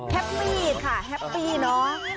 แฮปปี้ค่ะแฮปปี้เนอะ